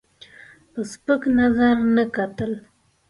په سپک نظر نه کتل.